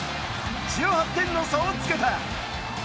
１８点の差をつけた！